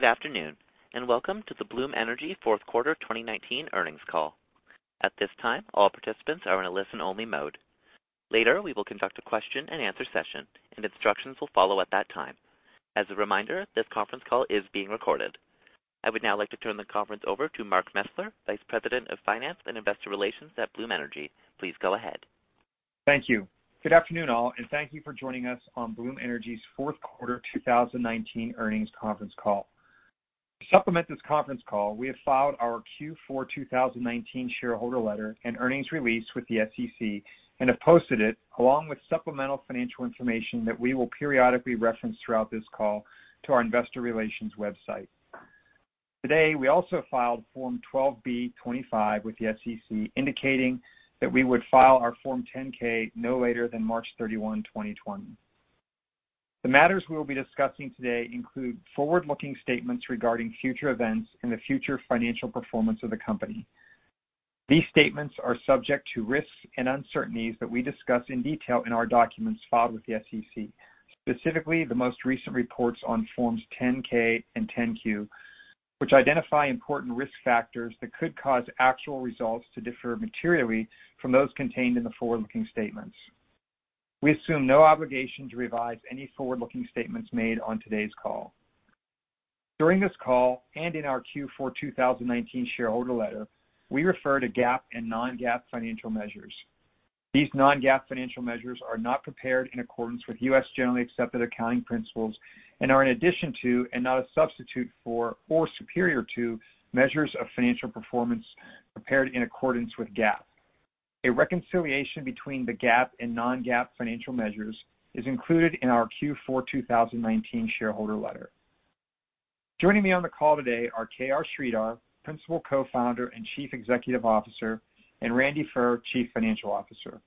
Good afternoon, welcome to the Bloom Energy fourth quarter 2019 earnings call. At this time, all participants are in a listen-only mode. Later, we will conduct a question and answer session, and instructions will follow at that time. As a reminder, this conference call is being recorded. I would now like to turn the conference over to Mark Mesler, Vice President of Finance and Investor Relations at Bloom Energy. Please go ahead. Thank you. Good afternoon, all, and thank you for joining us on Bloom Energy's fourth quarter 2019 earnings conference call. To supplement this conference call, we have filed our Q4 2019 Shareholder Letter and Earnings Release with the SEC and have posted it, along with Supplemental Financial Information that we will periodically reference throughout this call, to our investor relations website. Today, we also filed Form 12b-25 with the SEC, indicating that we would file our Form 10-K no later than March 31, 2020. The matters we will be discussing today include forward-looking statements regarding future events and the future financial performance of the company. These statements are subject to risks and uncertainties that we discuss in detail in our documents filed with the SEC, specifically the most recent reports on Forms 10-K and 10-Q, which identify important risk factors that could cause actual results to differ materially from those contained in the forward-looking statements. We assume no obligation to revise any forward-looking statements made on today's call. During this call and in our Q4 2019 shareholder letter, we refer to GAAP and non-GAAP financial measures. These non-GAAP financial measures are not prepared in accordance with U.S. Generally Accepted Accounting Principles and are in addition to, and not a substitute for or superior to, measures of financial performance prepared in accordance with GAAP. A reconciliation between the GAAP and non-GAAP financial measures is included in our Q4 2019 shareholder letter. Joining me on the call today are K.R. Sridhar, Principal Co-founder and Chief Executive Officer, and Randy Furr, Chief Financial Officer.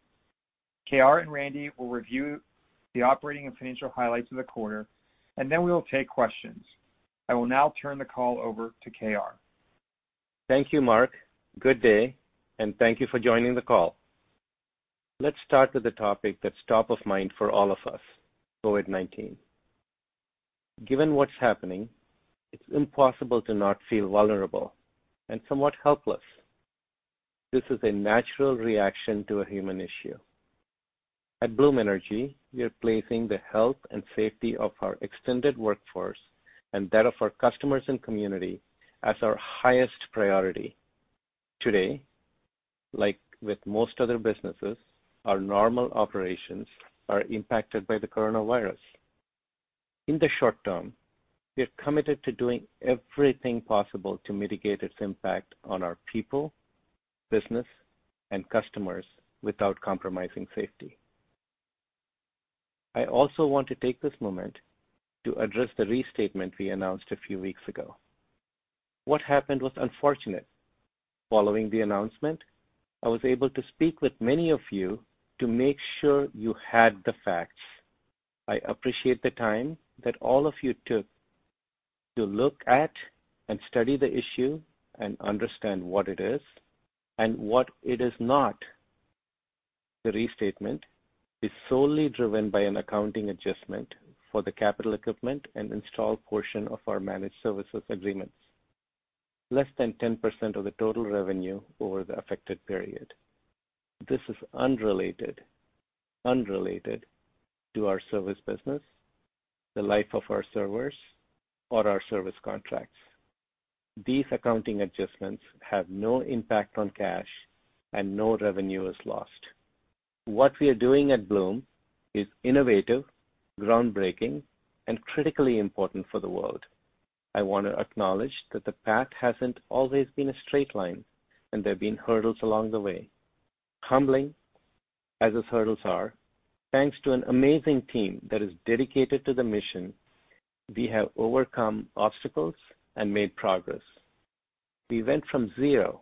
K.R. and Randy will review the operating and financial highlights of the quarter, and then we will take questions. I will now turn the call over to K.R.. Thank you, Mark. Good day, and thank you for joining the call. Let's start with a topic that's top of mind for all of us, COVID-19. Given what's happening, it's impossible to not feel vulnerable and somewhat helpless. This is a natural reaction to a human issue. At Bloom Energy, we are placing the health and safety of our extended workforce and that of our customers and community as our highest priority. Today, like with most other businesses, our normal operations are impacted by the coronavirus. In the short term, we are committed to doing everything possible to mitigate its impact on our people, business, and customers without compromising safety. I also want to take this moment to address the restatement we announced a few weeks ago. What happened was unfortunate. Following the announcement, I was able to speak with many of you to make sure you had the facts. I appreciate the time that all of you took to look at and study the issue and understand what it is and what it is not. The restatement is solely driven by an accounting adjustment for the capital equipment and installed portion of our managed services agreements. Less than 10% of the total revenue over the affected period. This is unrelated to our service business, the life of our servers, or our service contracts. These accounting adjustments have no impact on cash and no revenue is lost. What we are doing at Bloom is innovative, groundbreaking, and critically important for the world. I want to acknowledge that the path hasn't always been a straight line, and there have been hurdles along the way. Humbling as those hurdles are, thanks to an amazing team that is dedicated to the mission, we have overcome obstacles and made progress. We went from zero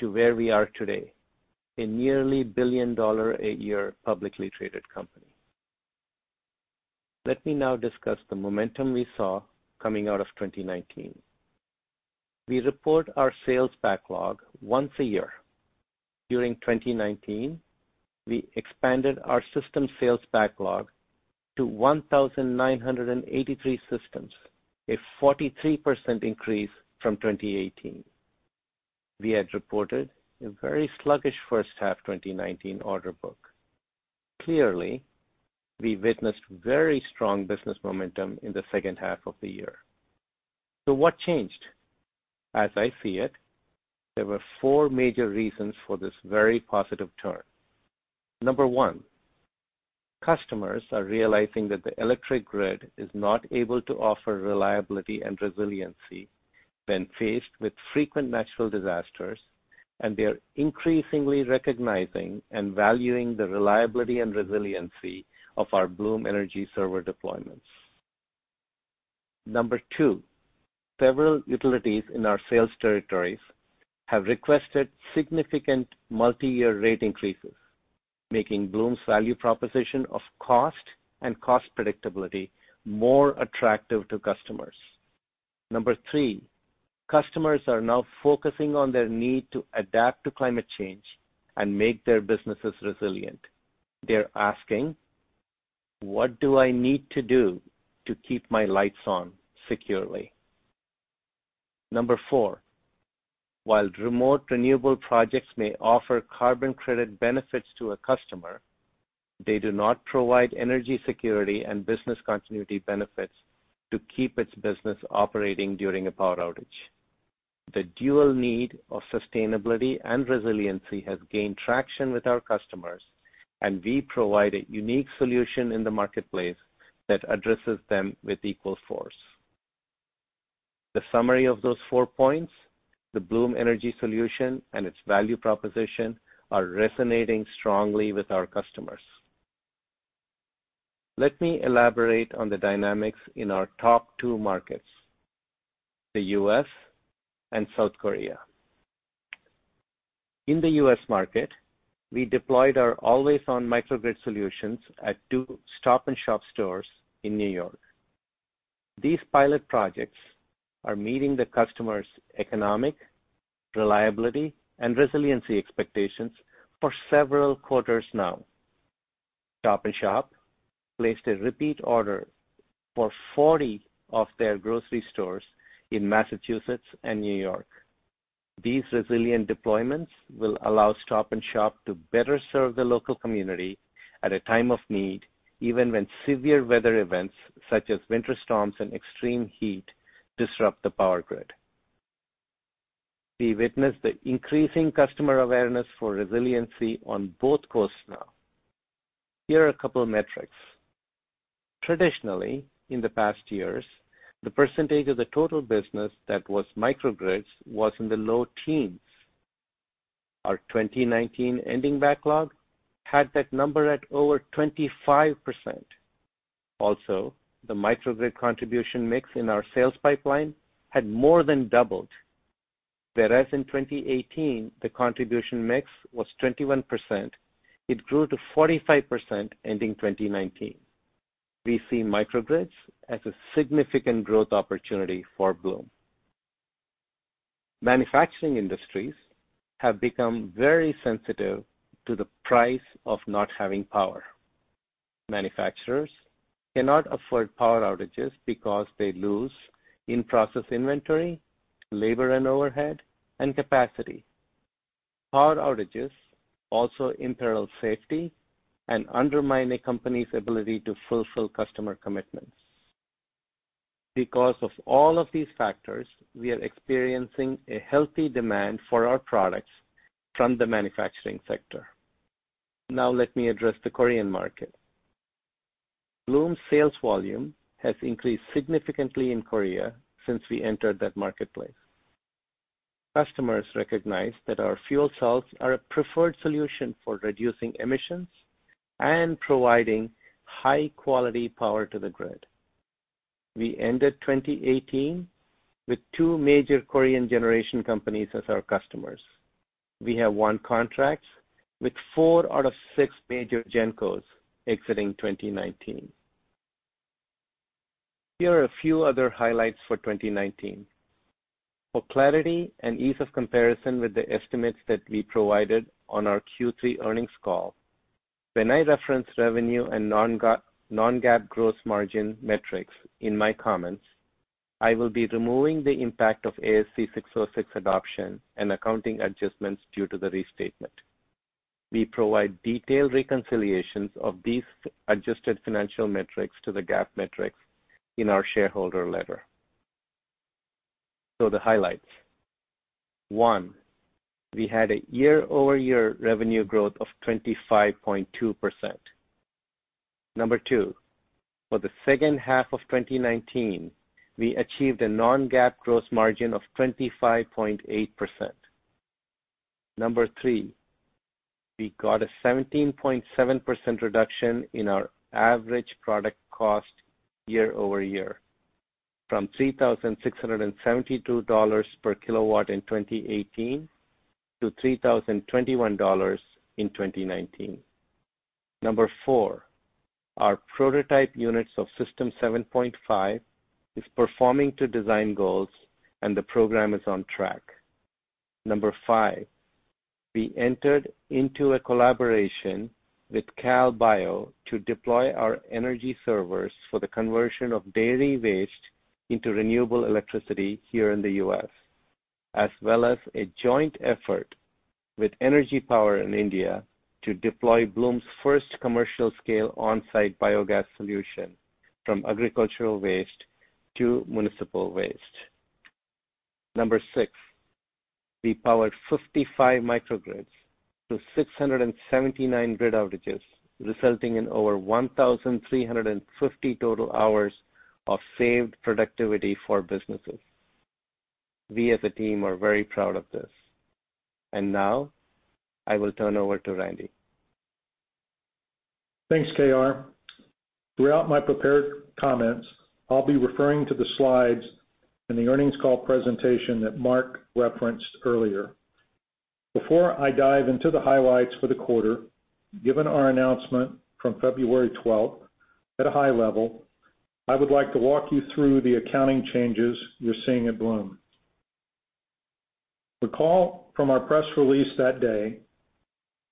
to where we are today, a nearly $1 billion a year publicly traded company. Let me now discuss the momentum we saw coming out of 2019. We report our sales backlog once a year. During 2019, we expanded our system sales backlog to 1,983 systems, a 43% increase from 2018. We had reported a very sluggish first half 2019 order book. Clearly, we witnessed very strong business momentum in the second half of the year. What changed? As I see it, there were four major reasons for this very positive turn. Number one, customers are realizing that the electric grid is not able to offer reliability and resiliency when faced with frequent natural disasters, and they are increasingly recognizing and valuing the reliability and resiliency of our Bloom Energy Server deployments. Number two, several utilities in our sales territories have requested significant multi-year rate increases, making Bloom's value proposition of cost and cost predictability more attractive to customers. Number three, customers are now focusing on their need to adapt to climate change and make their businesses resilient. They're asking, what do I need to do to keep my lights on securely? Number four, while remote renewable projects may offer carbon credit benefits to a customer, they do not provide energy security and business continuity benefits to keep its business operating during a power outage. The dual need of sustainability and resiliency has gained traction with our customers, and we provide a unique solution in the marketplace that addresses them with equal force. The summary of those four points, the Bloom Energy solution and its value proposition are resonating strongly with our customers. Let me elaborate on the dynamics in our top two markets, the U.S. and South Korea. In the U.S. market, we deployed our always-on microgrid solutions at two Stop & Shop stores in New York. These pilot projects are meeting the customers' economic, reliability, and resiliency expectations for several quarters now. Stop & Shop placed a repeat order for 40 of their grocery stores in Massachusetts and New York. These resilient deployments will allow Stop & Shop to better serve the local community at a time of need, even when severe weather events such as winter storms and extreme heat disrupt the power grid. We witnessed the increasing customer awareness for resiliency on both coasts now. Here are a couple of metrics. Traditionally, in the past years, the percentage of the total business that was microgrids was in the low teens. Our 2019 ending backlog had that number at over 25%. Also, the microgrid contribution mix in our sales pipeline had more than doubled. Whereas in 2018, the contribution mix was 21%, it grew to 45% ending 2019. We see microgrids as a significant growth opportunity for Bloom. Manufacturing industries have become very sensitive to the price of not having power. Manufacturers cannot afford power outages because they lose in-process inventory, labor and overhead, and capacity. Power outages also imperil safety and undermine a company's ability to fulfill customer commitments. Because of all of these factors, we are experiencing a healthy demand for our products from the manufacturing sector. Now let me address the Korean market. Bloom's sales volume has increased significantly in Korea since we entered that marketplace. Customers recognize that our fuel cells are a preferred solution for reducing emissions and providing high-quality power to the grid. We ended 2018 with two major Korean generation companies as our customers. We have won contracts with four out of six major GenCos exiting 2019. Here are a few other highlights for 2019. For clarity and ease of comparison with the estimates that we provided on our Q3 earnings call, when I reference revenue and non-GAAP gross margin metrics in my comments, I will be removing the impact of ASC 606 adoption and accounting adjustments due to the restatement. We provide detailed reconciliations of these adjusted financial metrics to the GAAP metrics in our shareholder letter. The highlights. One, we had a year-over-year revenue growth of 25.2%. Number two, for the second half of 2019, we achieved a non-GAAP gross margin of 25.8%. Number three, we got a 17.7% reduction in our average product cost year-over-year, from $3,672/kW in 2018 to $3,021/kW in 2019. Number four, our prototype units of System 7.5 is performing to design goals and the program is on track. Number five, we entered into a collaboration with CalBio to deploy our energy servers for the conversion of dairy waste into renewable electricity here in the U.S., as well as a joint effort with EnergyPower in India to deploy Bloom's first commercial scale on-site biogas solution from agricultural waste to municipal waste. Number six, we powered 55 microgrids through 679 grid outages, resulting in over 1,350 total hours of saved productivity for businesses. We as a team are very proud of this. Now I will turn over to Randy. Thanks, K.R.. Throughout my prepared comments, I'll be referring to the slides in the earnings call presentation that Mark referenced earlier. Before I dive into the highlights for the quarter, given our announcement from February 12th, at a high level, I would like to walk you through the accounting changes you're seeing at Bloom. Recall from our press release that day,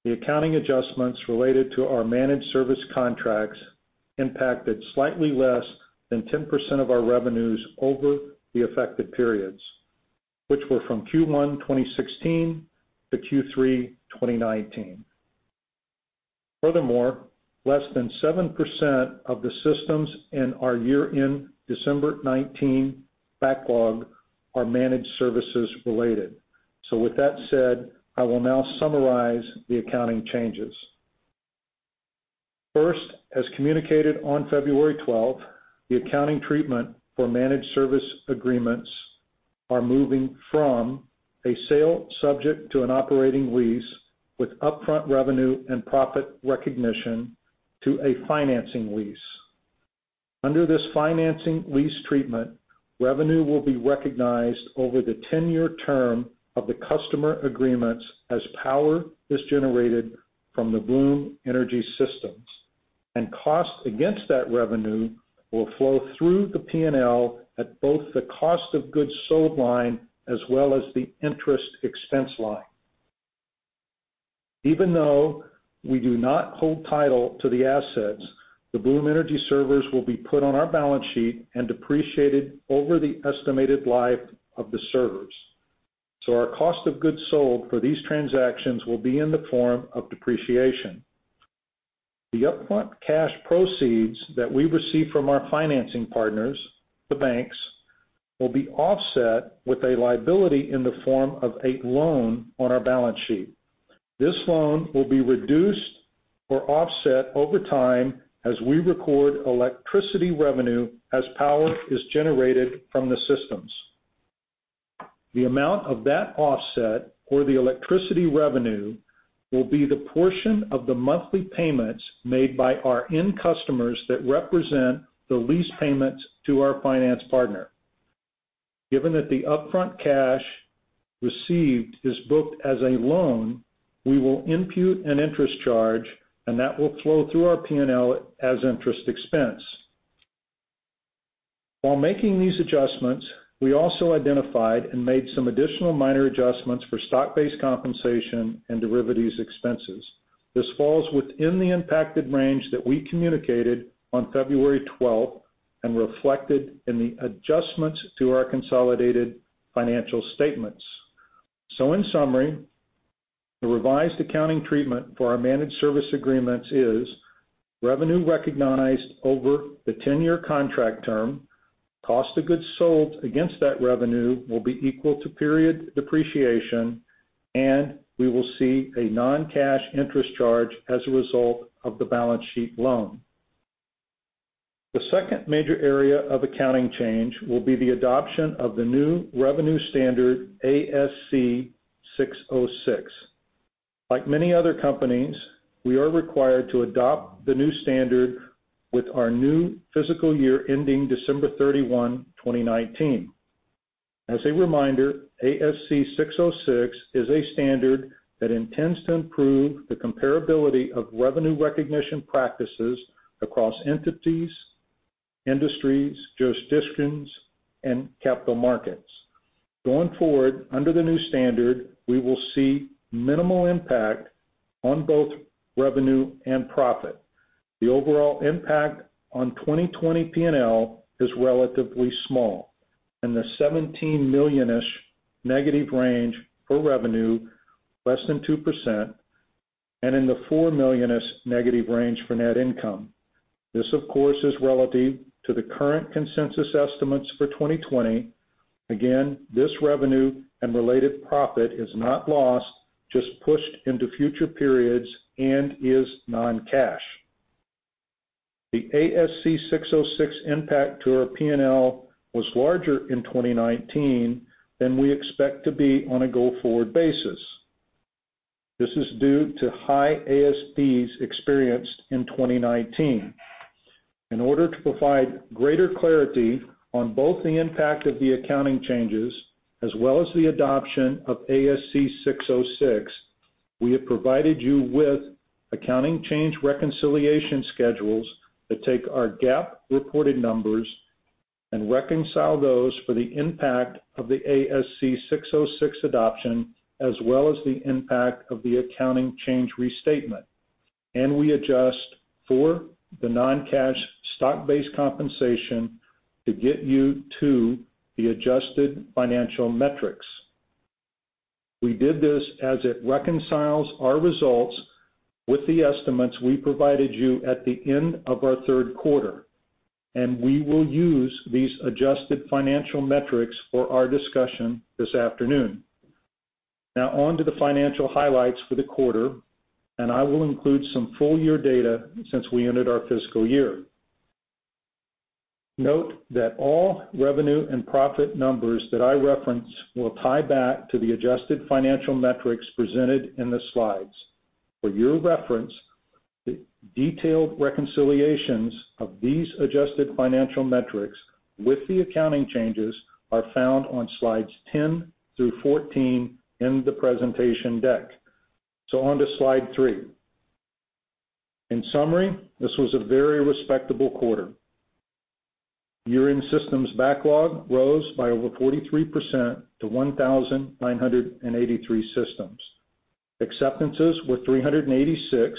the accounting adjustments related to our managed service contracts impacted slightly less than 10% of our revenues over the affected periods, which were from Q1 2016 to Q3 2019. Furthermore, less than 7% of the systems in our year-end December 2019 backlog are managed services related. With that said, I will now summarize the accounting changes. First, as communicated on February 12th, the accounting treatment for managed service agreements are moving from a sale subject to an operating lease with upfront revenue and profit recognition to a financing lease. Under this financing lease treatment, revenue will be recognized over the 10-year term of the customer agreements as power is generated from the Bloom Energy systems. Costs against that revenue will flow through the P&L at both the cost of goods sold line as well as the interest expense line. Even though we do not hold title to the assets, the Bloom Energy Servers will be put on our balance sheet and depreciated over the estimated life of the servers. Our cost of goods sold for these transactions will be in the form of depreciation. The upfront cash proceeds that we receive from our financing partners, the banks, will be offset with a liability in the form of a loan on our balance sheet. This loan will be reduced or offset over time as we record electricity revenue as power is generated from the systems. The amount of that offset or the electricity revenue will be the portion of the monthly payments made by our end customers that represent the lease payments to our finance partner. Given that the upfront cash received is booked as a loan, we will impute an interest charge, and that will flow through our P&L as interest expense. While making these adjustments, we also identified and made some additional minor adjustments for stock-based compensation and derivatives expenses. This falls within the impacted range that we communicated on February 12th and reflected in the adjustments to our consolidated financial statements. In summary, the revised accounting treatment for our managed service agreements is revenue recognized over the 10-year contract term, cost of goods sold against that revenue will be equal to period depreciation, and we will see a non-cash interest charge as a result of the balance sheet loan. The second major area of accounting change will be the adoption of the new revenue standard ASC 606. Like many other companies, we are required to adopt the new standard with our new fiscal year ending December 31, 2019. As a reminder, ASC 606 is a standard that intends to improve the comparability of revenue recognition practices across entities, industries, jurisdictions, and capital markets. Going forward, under the new standard, we will see minimal impact on both revenue and profit. The overall impact on 2020 P&L is relatively small. In the $17 million-ish negative range for revenue, less than 2%, and in the $4 million-ish negative range for net income. This, of course, is relative to the current consensus estimates for 2020. Again, this revenue and related profit is not lost, just pushed into future periods and is non-cash. The ASC 606 impact to our P&L was larger in 2019 than we expect to be on a go-forward basis. This is due to high ASPs experienced in 2019. In order to provide greater clarity on both the impact of the accounting changes as well as the adoption of ASC 606, we have provided you with accounting change reconciliation schedules that take our GAAP reported numbers and reconcile those for the impact of the ASC 606 adoption, as well as the impact of the accounting change restatement. We adjust for the non-cash stock-based compensation to get you to the adjusted financial metrics. We did this as it reconciles our results with the estimates we provided you at the end of our third quarter, and we will use these adjusted financial metrics for our discussion this afternoon. On to the financial highlights for the quarter, and I will include some full-year data since we ended our fiscal year. Note that all revenue and profit numbers that I reference will tie back to the adjusted financial metrics presented in the slides. For your reference, the detailed reconciliations of these adjusted financial metrics with the accounting changes are found on slides 10-14 in the presentation deck. Onto slide three. In summary, this was a very respectable quarter. Year-end Systems backlog rose by over 43% to 1,983 systems. Acceptances were 386,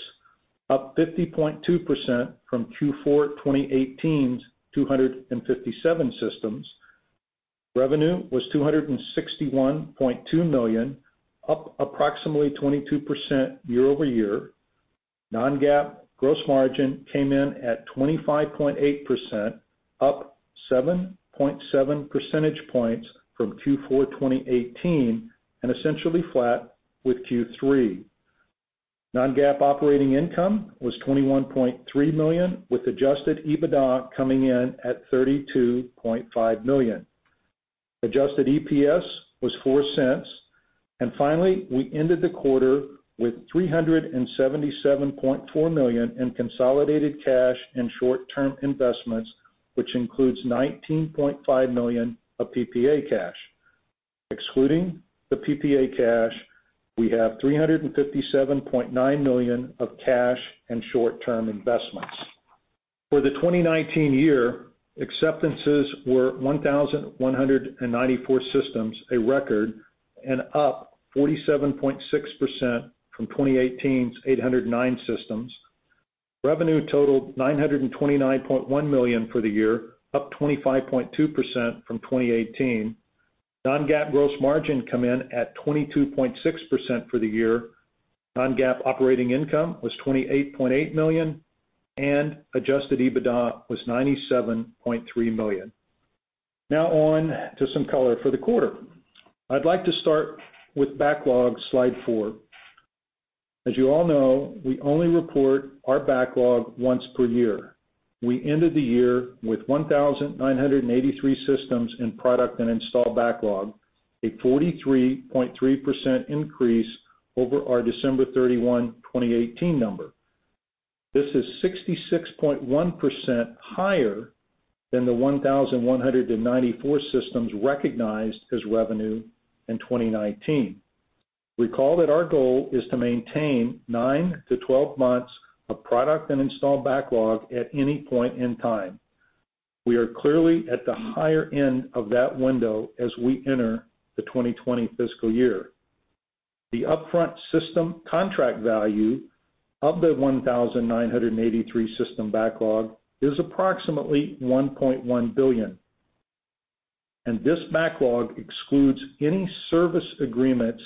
up 50.2% from Q4 2018's 257 systems. Revenue was $261.2 million, up approximately 22% year-over-year. Non-GAAP gross margin came in at 25.8%, up 7.7 percentage points from Q4 2018, and essentially flat with Q3. Non-GAAP operating income was $21.3 million with adjusted EBITDA coming in at $32.5 million. Adjusted EPS was $0.04. Finally, we ended the quarter with $377.4 million in consolidated cash and short-term investments, which includes $19.5 million of PPA cash. Excluding the PPA cash, we have $357.9 million of cash and short-term investments. For the 2019 year, acceptances were 1,194 systems, a record, and up 47.6% from 2018's 809 systems. Revenue totaled $929.1 million for the year, up 25.2% from 2018. Non-GAAP gross margin come in at 22.6% for the year. Non-GAAP operating income was $28.8 million, and adjusted EBITDA was $97.3 million. On to some color for the quarter. I'd like to start with backlog, slide four. As you all know, we only report our backlog once per year. We ended the year with 1,983 systems in product and installed backlog, a 43.3% increase over our December 31, 2018, number. This is 66.1% higher than the 1,194 systems recognized as revenue in 2019. Recall that our goal is to maintain 9-12 months of product and installed backlog at any point in time. We are clearly at the higher end of that window as we enter the 2020 Fiscal Year. The upfront system contract value of the 1,983 system backlog is approximately $1.1 billion. This backlog excludes any service agreements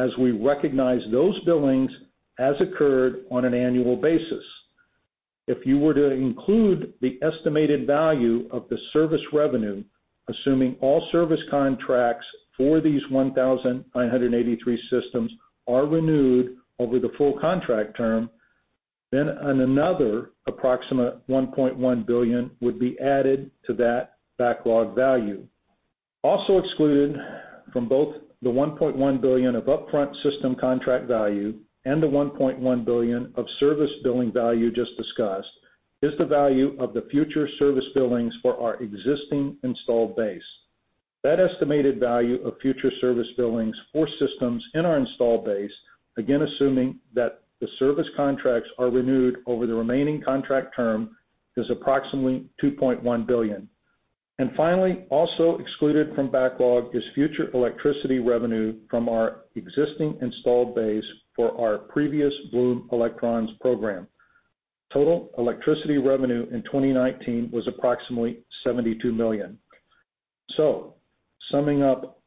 as we recognize those billings as occurred on an annual basis. If you were to include the estimated value of the service revenue, assuming all service contracts for these 1,983 systems are renewed over the full contract term, then another approximate $1.1 billion would be added to that backlog value. Also excluded from both the $1.1 billion of upfront system contract value and the $1.1 billion of service billing value just discussed, is the value of the future service billings for our existing installed base. That estimated value of future service billings for systems in our installed base, again, assuming that the service contracts are renewed over the remaining contract term, is approximately $2.1 billion. Finally, also excluded from backlog is future electricity revenue from our existing installed base for our previous Bloom Electrons program. Total electricity revenue in 2019 was approximately $72 million. Summing up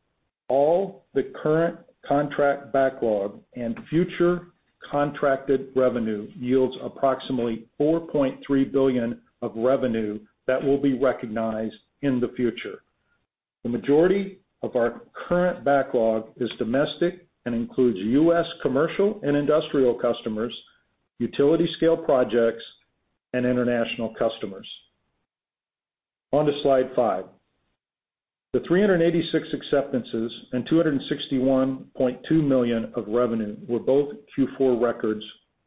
all the current contract backlog and future contracted revenue yields approximately $4.3 billion of revenue that will be recognized in the future. The majority of our current backlog is domestic and includes U.S. commercial and industrial customers, utility scale projects, and international customers. On to slide five. The 386 acceptances and $261.2 million of revenue were both Q4 records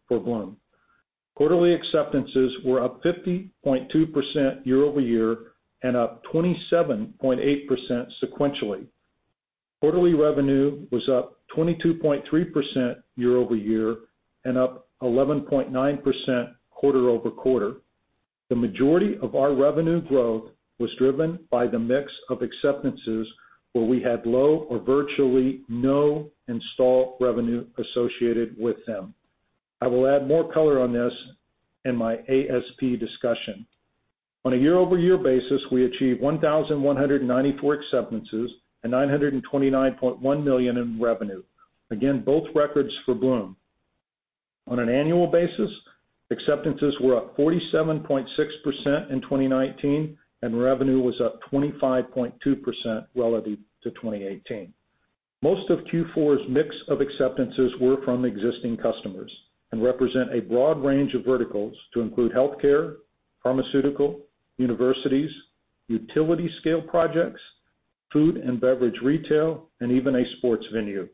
for Bloom. Quarterly acceptances were up 50.2% year-over-year and up 27.8% sequentially. Quarterly revenue was up 22.3% year-over-year and up 11.9% quarter-over-quarter. The majority of our revenue growth was driven by the mix of acceptances where we had low or virtually no install revenue associated with them. I will add more color on this in my ASP discussion. On a year-over-year basis, we achieved 1,194 acceptances and $929.1 million in revenue. Again, both records for Bloom. On an annual basis, acceptances were up 47.6% in 2019, and revenue was up 25.2% relative to 2018. Most of Q4's mix of acceptances were from existing customers and represent a broad range of verticals to include healthcare, pharmaceutical, universities, utility-scale projects, food and beverage, retail, and even a sports venue.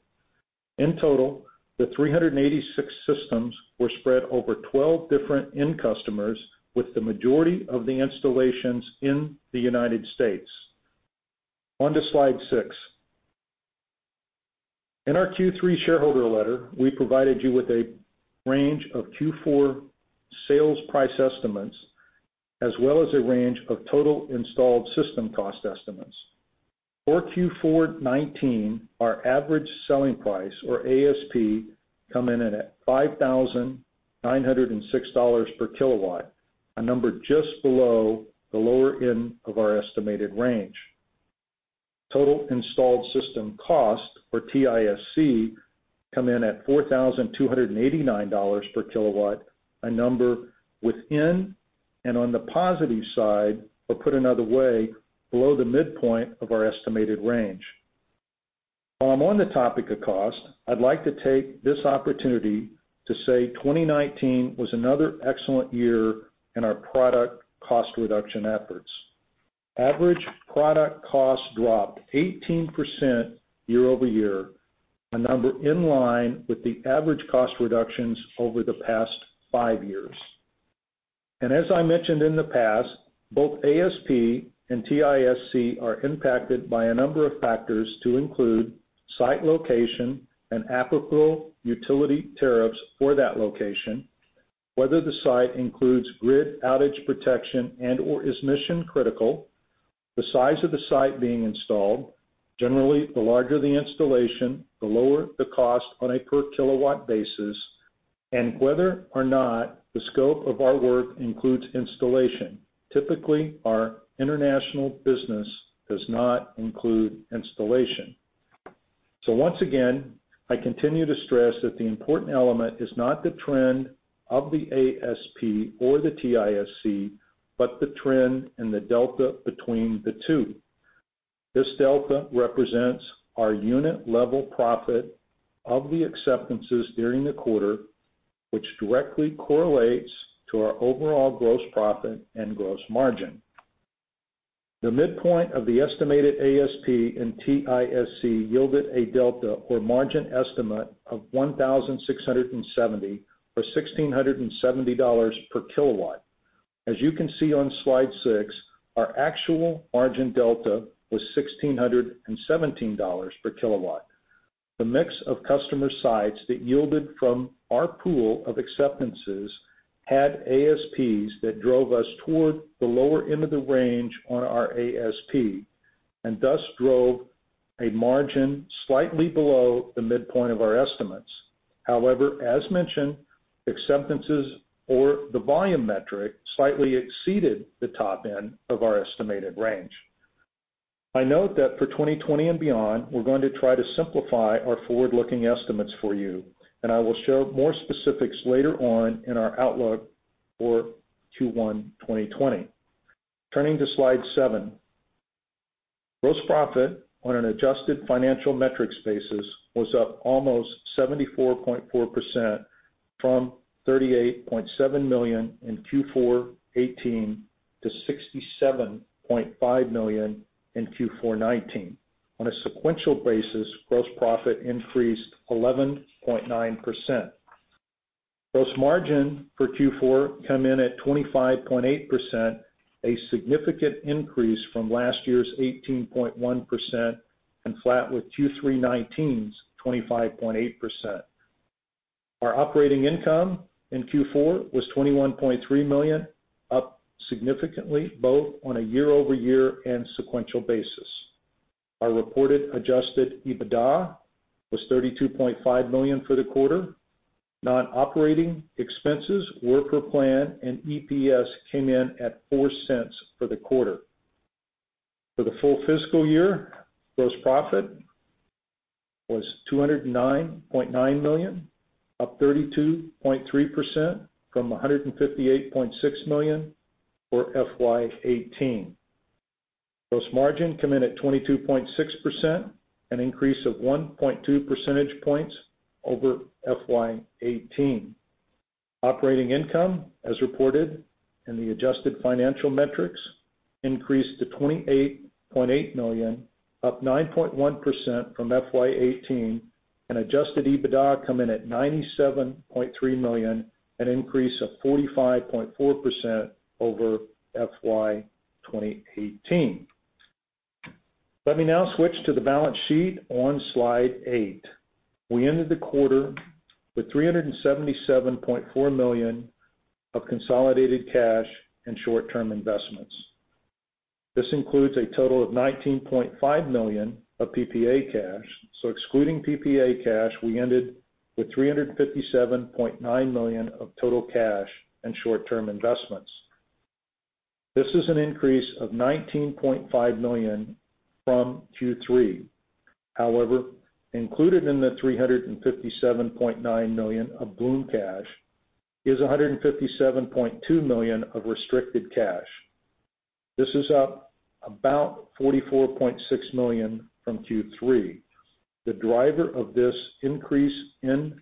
In total, the 386 systems were spread over 12 different end customers, with the majority of the installations in the United States. On to slide six. In our Q3 shareholder letter, we provided you with a range of Q4 sales price estimates, as well as a range of total installed system cost estimates. For Q4 2019, our average selling price, or ASP, comes in at $5,906/kW, a number just below the lower end of our estimated range. Total installed system cost, or TISC, comes in at $4,289/kW, a number within and on the positive side, or put another way, below the midpoint of our estimated range. While I'm on the topic of cost, I'd like to take this opportunity to say 2019 was another excellent year in our product cost-reduction efforts. Average product cost dropped 18% year-over-year, a number in line with the average cost reductions over the past five years. As I mentioned in the past, both ASP and TISC are impacted by a number of factors to include site location and applicable utility tariffs for that location, whether the site includes grid outage protection and/or is mission-critical, the size of the site being installed, generally, the larger the installation, the lower the cost on a per kilowatt basis, and whether or not the scope of our work includes installation. Typically, our international business does not include installation. Once again, I continue to stress that the important element is not the trend of the ASP or the TISC, but the trend and the delta between the two. This delta represents our unit level profit of the acceptances during the quarter, which directly correlates to our overall gross profit and gross margin. The midpoint of the estimated ASP and TISC yielded a delta or margin estimate of 1,670 or $1,670/kW. As you can see on slide six, our actual margin delta was $1,617/kW. The mix of customer sites that yielded from our pool of acceptances had ASPs that drove us toward the lower end of the range on our ASP, and thus drove a margin slightly below the midpoint of our estimates. However, as mentioned, acceptances or the volume metric slightly exceeded the top end of our estimated range. I note that for 2020 and beyond, we're going to try to simplify our forward-looking estimates for you, and I will share more specifics later on in our outlook for Q1 2020. Turning to slide seven. Gross profit on an adjusted financial metrics basis was up almost 74.4% from $38.7 million in Q4 2018 to $67.5 million in Q4 2019. On a sequential basis, gross profit increased 11.9%. Gross margin for Q4 come in at 25.8%, a significant increase from last year's 18.1% and flat with Q3 2019's 25.8%. Our operating income in Q4 was $21.3 million, up significantly both on a year-over-year and sequential basis. Our reported adjusted EBITDA was $32.5 million for the quarter. Non-operating expenses were per plan, and EPS came in at $0.04 for the quarter. For the full fiscal year, gross profit was $209.9 million, up 32.3% from $158.6 million for FY 2018. Gross margin come in at 22.6%, an increase of 1.2 percentage points over FY 2018. Operating income, as reported in the adjusted financial metrics, increased to $28.8 million, up 9.1% from FY 2018, and adjusted EBITDA come in at $97.3 million, an increase of 45.4% over FY 2018. Let me now switch to the balance sheet on slide eight. We ended the quarter with $377.4 million of consolidated cash and short-term investments. This includes a total of $19.5 million of PPA cash. Excluding PPA cash, we ended with $357.9 million of total cash and short-term investments. This is an increase of $19.5 million from Q3. However, included in the $357.9 million of Bloom cash is $157.2 million of restricted cash. This is up about $44.6 million from Q3. The driver of this increase in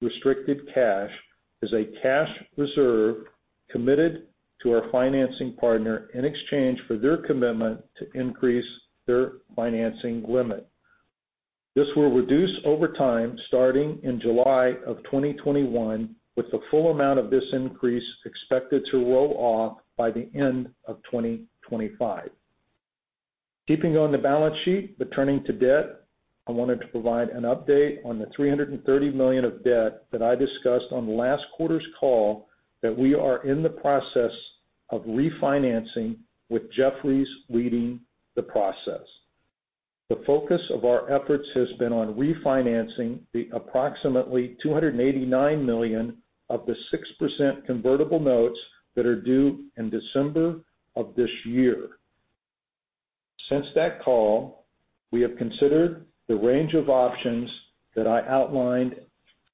restricted cash is a cash reserve committed to our financing partner in exchange for their commitment to increase their financing limit. This will reduce over time starting in July of 2021, with the full amount of this increase expected to roll off by the end of 2025. Keeping on the balance sheet, turning to debt, I wanted to provide an update on the $330 million of debt that I discussed on last quarter's call that we are in the process of refinancing with Jefferies leading the process. The focus of our efforts has been on refinancing the approximately $289 million of the 6% convertible notes that are due in December of this year. Since that call, we have considered the range of options that I outlined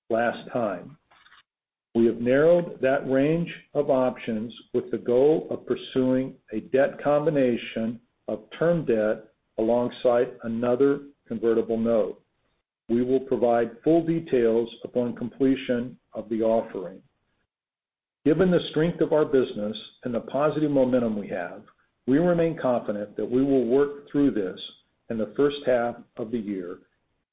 last time. We have narrowed that range of options with the goal of pursuing a debt combination of term debt alongside another convertible note. We will provide full details upon completion of the offering. Given the strength of our business and the positive momentum we have, we remain confident that we will work through this in the first half of the year,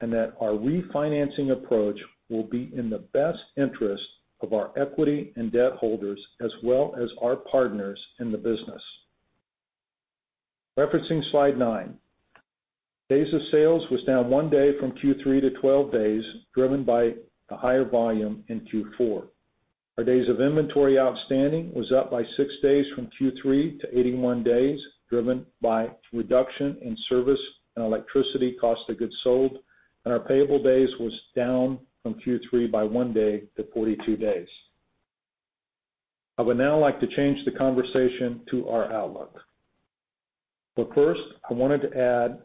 and that our refinancing approach will be in the best interest of our equity and debt holders, as well as our partners in the business. Referencing slide nine. Days of sales was down one day from Q3 to 12 days, driven by the higher volume in Q4. Our days of inventory outstanding was up by six days from Q3 to 81 days, driven by reduction in service and electricity cost of goods sold. Our payable days was down from Q3 by one day to 42 days. I would now like to change the conversation to our outlook. First, I wanted to add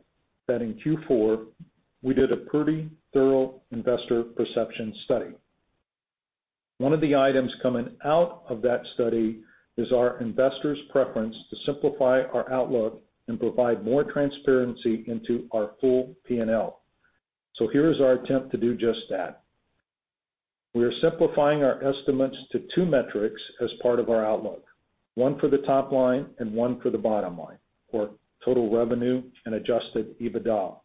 that in Q4, we did a pretty thorough investor perception study. One of the items coming out of that study is our investors' preference to simplify our outlook and provide more transparency into our full P&L. Here is our attempt to do just that. We are simplifying our estimates to two metrics as part of our outlook, one for the top line and one for the bottom line, or total revenue and adjusted EBITDA.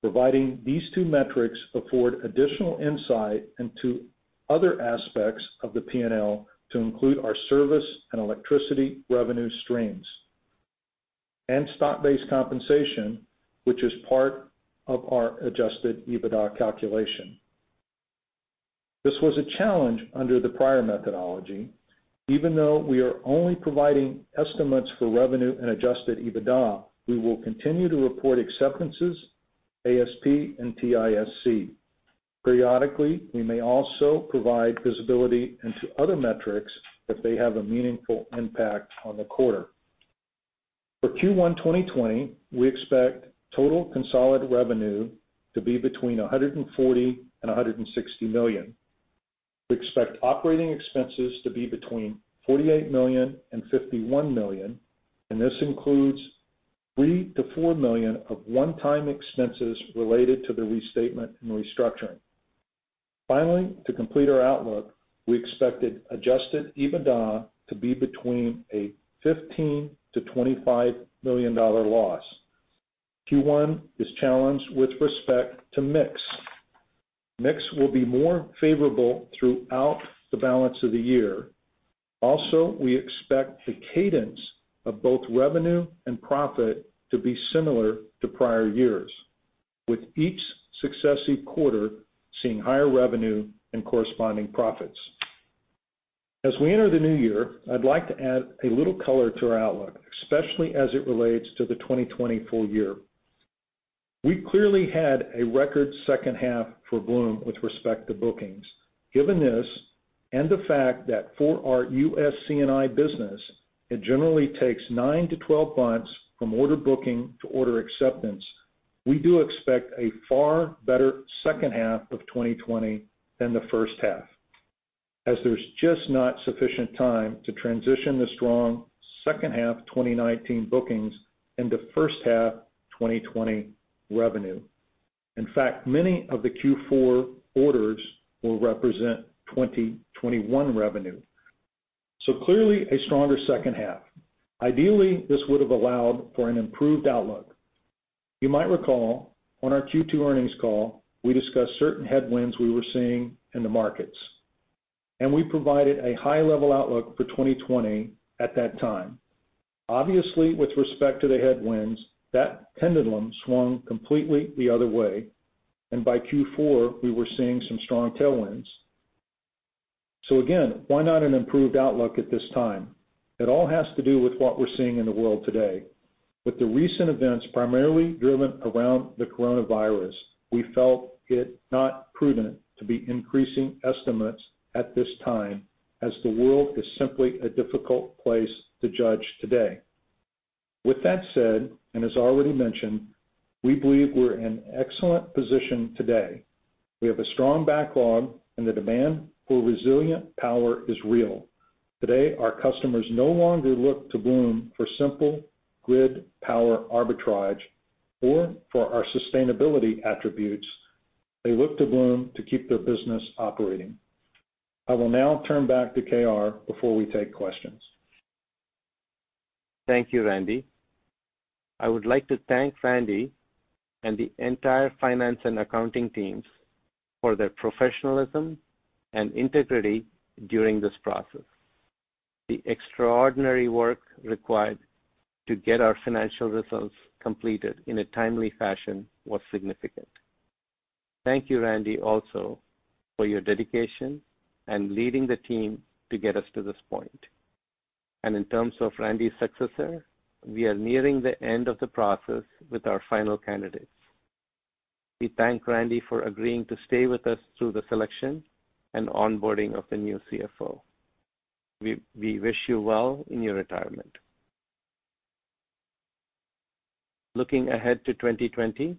Providing these two metrics afford additional insight into other aspects of the P&L to include our service and electricity revenue streams and stock-based compensation, which is part of our adjusted EBITDA calculation. This was a challenge under the prior methodology. Even though we are only providing estimates for revenue and adjusted EBITDA, we will continue to report acceptances, ASP, and TISC. Periodically, we may also provide visibility into other metrics if they have a meaningful impact on the quarter. For Q1 2020, we expect total consolidated revenue to be between $140 million and $160 million. We expect operating expenses to be between $48 million and $51 million, and this includes $3 million-$4 million of one-time expenses related to the restatement and restructuring. Finally, to complete our outlook, we expected adjusted EBITDA to be between a $15 million-$25 million loss. Q1 is challenged with respect to mix. Mix will be more favorable throughout the balance of the year. Also, we expect the cadence of both revenue and profit to be similar to prior years, with each successive quarter seeing higher revenue and corresponding profits. As we enter the new year, I'd like to add a little color to our outlook, especially as it relates to the 2020 full year. We clearly had a record second half for Bloom with respect to bookings. Given this and the fact that for our U.S. C&I business, it generally takes 9-12 months from order booking to order acceptance, we do expect a far better second half of 2020 than the first half, as there's just not sufficient time to transition the strong second half 2019 bookings into first half 2020 revenue. In fact, many of the Q4 orders will represent 2021 revenue. Clearly a stronger second half. Ideally, this would have allowed for an improved outlook. You might recall on our Q2 earnings call, we discussed certain headwinds we were seeing in the markets, and we provided a high-level outlook for 2020 at that time. Obviously, with respect to the headwinds, that pendulum swung completely the other way, and by Q4, we were seeing some strong tailwinds. Again, why not an improved outlook at this time? It all has to do with what we're seeing in the world today. With the recent events, primarily driven around the coronavirus, we felt it not prudent to be increasing estimates at this time, as the world is simply a difficult place to judge today. With that said, and as already mentioned, we believe we're in excellent position today. We have a strong backlog, and the demand for resilient power is real. Today, our customers no longer look to Bloom for simple grid power arbitrage or for our sustainability attributes. They look to Bloom to keep their business operating. I will now turn back to K.R. before we take questions. Thank you, Randy. I would like to thank Randy and the entire finance and accounting teams for their professionalism and integrity during this process. The extraordinary work required to get our financial results completed in a timely fashion was significant. Thank you, Randy, also for your dedication and leading the team to get us to this point. In terms of Randy's successor, we are nearing the end of the process with our final candidates. We thank Randy for agreeing to stay with us through the selection and onboarding of the new CFO. We wish you well in your retirement. Looking ahead to 2020,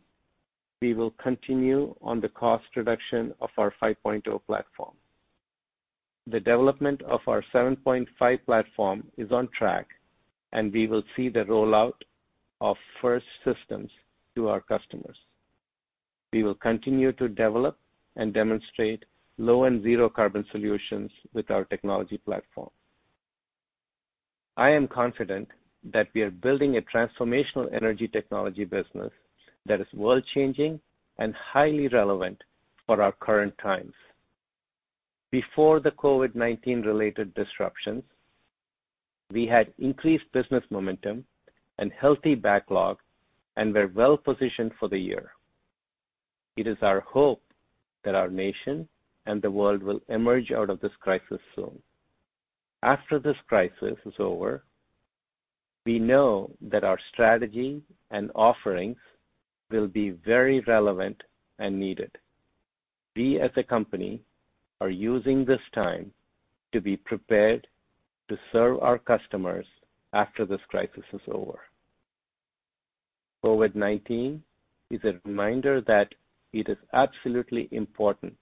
we will continue on the cost reduction of our 5.0 platform. The development of our 7.5 platform is on track, and we will see the rollout of first systems to our customers. We will continue to develop and demonstrate low and zero carbon solutions with our technology platform. I am confident that we are building a transformational energy technology business that is world-changing and highly relevant for our current times. Before the COVID-19 related disruptions, we had increased business momentum and healthy backlog and were well-positioned for the year. It is our hope that our nation and the world will emerge out of this crisis soon. After this crisis is over, we know that our strategy and offerings will be very relevant and needed. We as a company are using this time to be prepared to serve our customers after this crisis is over. COVID-19 is a reminder that it is absolutely important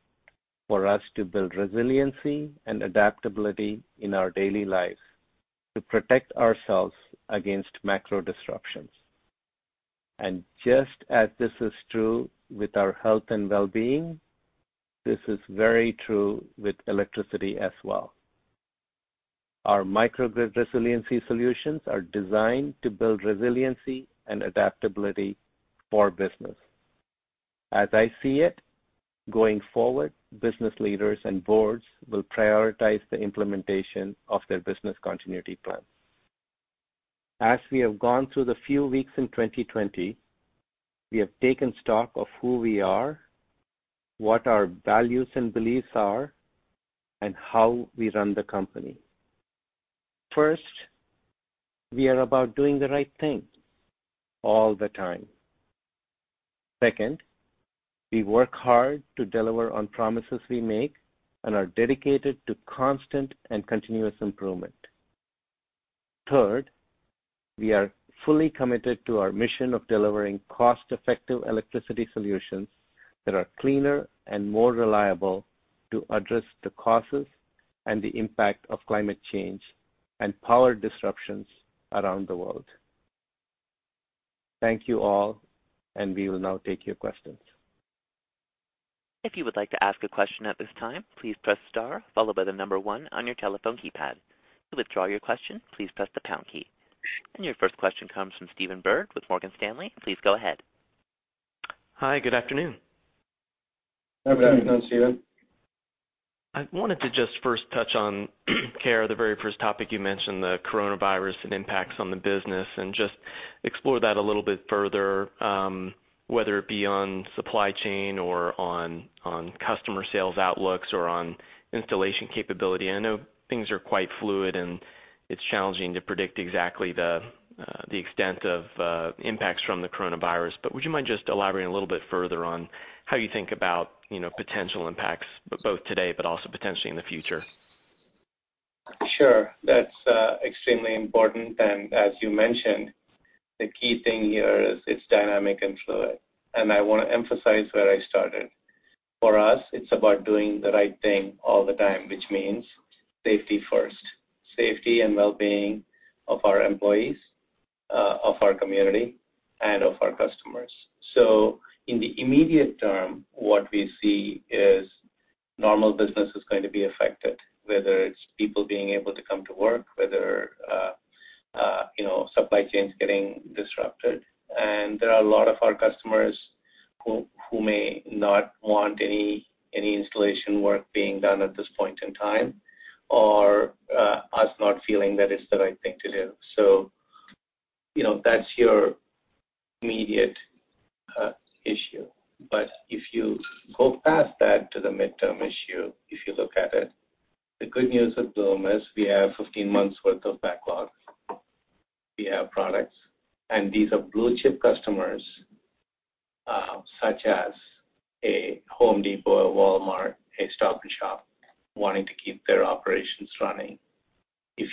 for us to build resiliency and adaptability in our daily lives to protect ourselves against macro disruptions. Just as this is true with our health and wellbeing, this is very true with electricity as well. Our microgrid resiliency solutions are designed to build resiliency and adaptability for business. As I see it, going forward, business leaders and boards will prioritize the implementation of their business continuity plans. As we have gone through the few weeks in 2020, we have taken stock of who we are, what our values and beliefs are, and how we run the company. First, we are about doing the right thing all the time. Second, we work hard to deliver on promises we make and are dedicated to constant and continuous improvement. Third, we are fully committed to our mission of delivering cost-effective electricity solutions that are cleaner and more reliable to address the causes and the impact of climate change and power disruptions around the world. Thank you all, and we will now take your questions. If you would like to ask a question at this time, please press star followed by the number one on your telephone keypad. To withdraw your question, please press the pound key. Your first question comes from Stephen Byrd with Morgan Stanley. Please go ahead. Hi, good afternoon. Good afternoon, Stephen. I wanted to just first touch on, K.R., the very first topic you mentioned, the coronavirus and impacts on the business, and just explore that a little bit further, whether it be on supply chain or on customer sales outlooks or on installation capability. I know things are quite fluid, and it's challenging to predict exactly the extent of impacts from the coronavirus. Would you mind just elaborating a little bit further on how you think about potential impacts both today but also potentially in the future? Sure. That's extremely important. As you mentioned, the key thing here is it's dynamic and fluid. I want to emphasize where I started. For us, it's about doing the right thing all the time, which means safety first, safety and wellbeing of our employees, of our community, and of our customers. In the immediate term, what we see is normal business is going to be affected, whether it's people being able to come to work, whether supply chains getting disrupted. There are a lot of our customers who may not want any installation work being done at this point in time or us not feeling that it's the right thing to do. That's your immediate issue. If you go past that to the midterm issue, if you look at it, the good news at Bloom is we have 15 months worth of backlog. We have products, these are blue-chip customers, such as The Home Depot, Walmart, Stop & Shop, wanting to keep their operations running.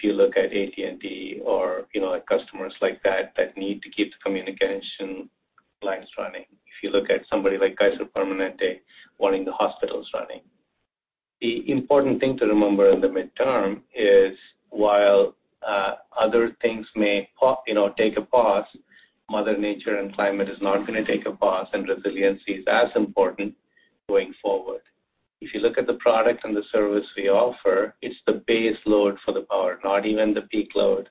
You look at AT&T or customers like that, that need to keep the communication lines running. You look at somebody like Kaiser Permanente wanting the hospitals running. The important thing to remember in the midterm is while other things may take a pause, mother nature and climate is not going to take a pause, and resiliency is as important going forward. You look at the products and the service we offer, it's the base load for the power, not even the peak load.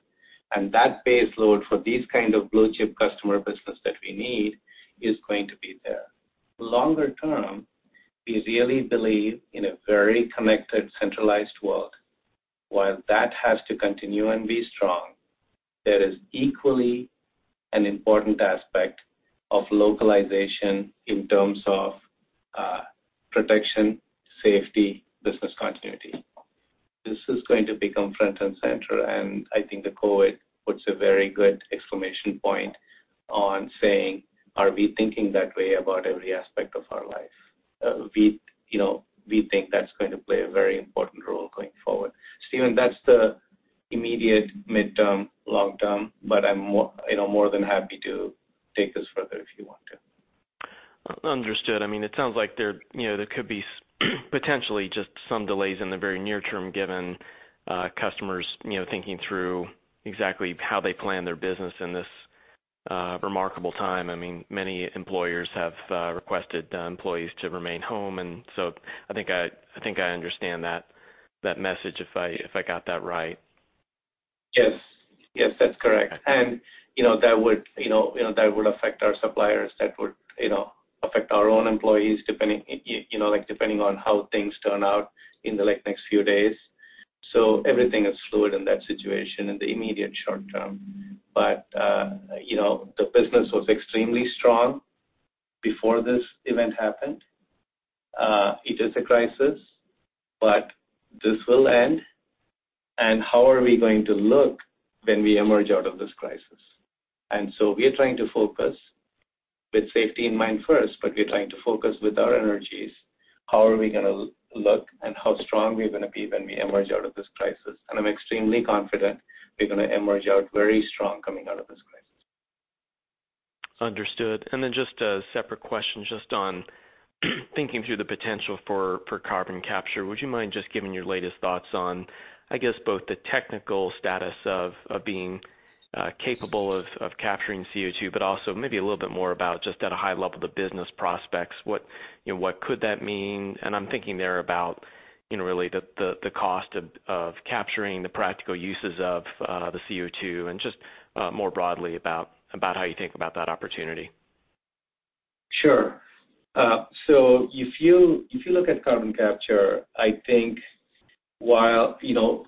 That base load for these kind of blue-chip customer business that we need is going to be there. Longer term, we really believe in a very connected, centralized world. While that has to continue and be strong, there is equally an important aspect of localization in terms of protection, safety, business continuity. This is going to become front and center, and I think the COVID puts a very good exclamation point on saying, are we thinking that way about every aspect of our life? We think that's going to play a very important role going forward. Stephen, that's the immediate, midterm, long-term, but I'm more than happy to take this further if you want to. Understood. It sounds like there could be potentially just some delays in the very near term, given customers thinking through exactly how they plan their business in this remarkable time. Many employers have requested employees to remain home. I think I understand that message, if I got that right. Yes. That's correct. That would affect our suppliers. That would affect our own employees, depending on how things turn out in the next few days. Everything is fluid in that situation in the immediate short term. The business was extremely strong before this event happened. It is a crisis, but this will end. How are we going to look when we emerge out of this crisis? We are trying to focus with safety in mind first, but we are trying to focus with our energies, how are we going to look and how strong we are going to be when we emerge out of this crisis? I'm extremely confident we're going to emerge out very strong coming out of this crisis. Understood. Just a separate question, just on thinking through the potential for carbon capture. Would you mind just giving your latest thoughts on, I guess, both the technical status of being capable of capturing CO2, but also maybe a little bit more about just at a high level, the business prospects. What could that mean? I'm thinking there about really the cost of capturing, the practical uses of the CO2, and just more broadly about how you think about that opportunity. Sure. If you look at carbon capture,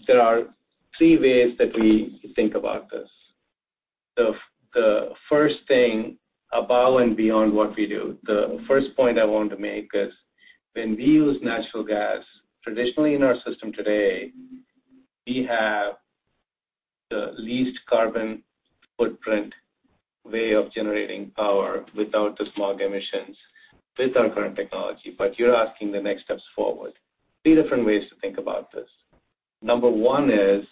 there are three ways that we think about this. The first thing above and beyond what we do. The first point I want to make is when we use natural gas, traditionally in our system today, we have the least carbon footprint way of generating power without the smog emissions with our current technology. You're asking the next steps forward. Three different ways to think about this. Number one is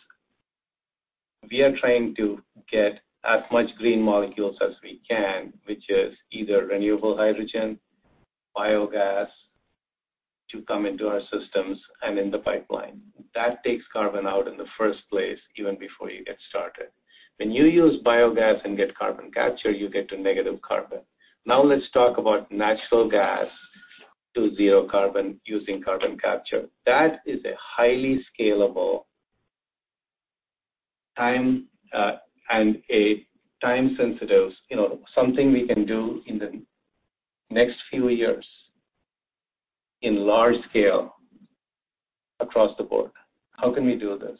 we are trying to get as much green molecules as we can, which is either renewable hydrogen, biogas, to come into our systems and in the pipeline. That takes carbon out in the first place, even before you get started. When you use biogas and get carbon capture, you get to negative carbon. Let's talk about natural gas to zero carbon using carbon capture. That is a highly scalable and a time-sensitive, something we can do in the next few years in large scale across the board. How can we do this?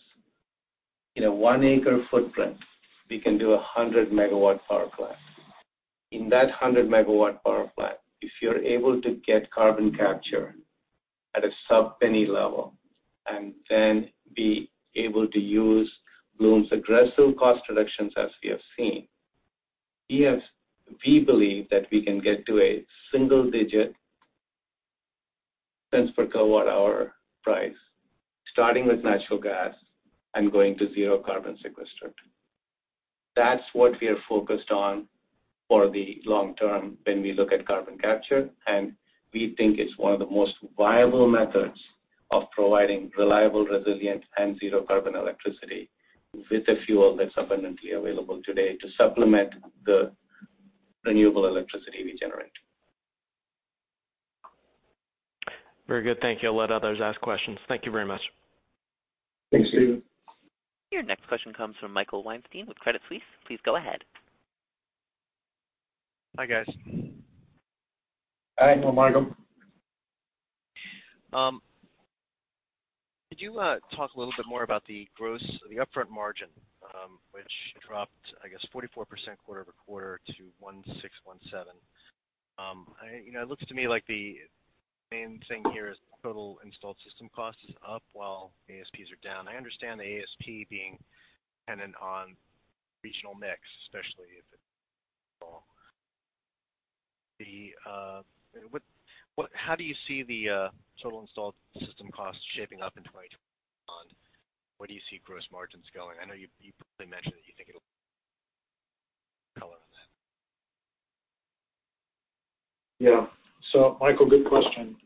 In a one-acre footprint, we can do 100 MW power plant. In that 100 MW power plant, if you're able to get carbon capture at a sub-$0.01 level and then be able to use Bloom's aggressive cost reductions as we have seen, we believe that we can get to a single-digit cents per kilowatt hour price, starting with natural gas and going to zero-carbon sequestered. That's what we are focused on for the long term when we look at carbon capture, and we think it's one of the most viable methods of providing reliable, resilient, and zero carbon electricity with a fuel that's abundantly available today to supplement the renewable electricity we generate. Very good. Thank you. I'll let others ask questions. Thank you very much. Thanks, Stephen. Your next question comes from Michael Weinstein with Credit Suisse. Please go ahead. Hi, guys. Hi, Michael. Could you talk a little bit more about the gross or the upfront margin, which dropped, I guess, 44% quarter-over-quarter to $1,617/kW? It looks to me like the main thing here is total installed system cost is up while ASPs are down. I understand the ASP being dependent on regional mix, especially. How do you see the total installed system cost shaping up in 2021? Where do you see gross margins going? I know you probably mentioned that you think it'll color on that. Yeah. Michael, good question.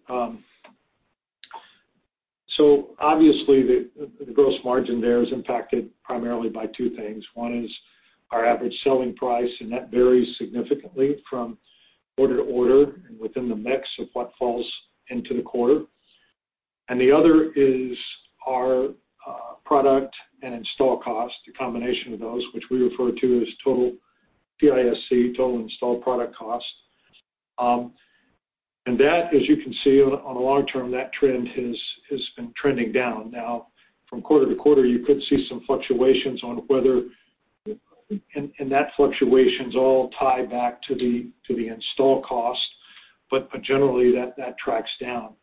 Obviously, the gross margin there is impacted primarily by two things. One is our average selling price, and that varies significantly from order-to-order and within the mix of what falls into the quarter. The other is our product and install cost, a combination of those which we refer to as total TISC, total installed product cost. That, as you can see on the long term, that trend has been trending down. Now from quarter-to-quarter, you could see some fluctuations, and that fluctuation's all tied back to the install cost, but generally, that tracks down.